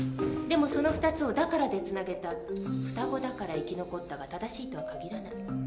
でもその２つを「だから」でつなげた「双子だから生き残った」が正しいとは限らない。